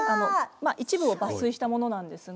まっ一部を抜粋したものなんですが。